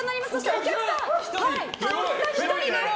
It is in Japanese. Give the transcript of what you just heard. お客さんはたった１人です。